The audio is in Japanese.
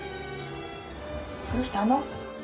どうしたの？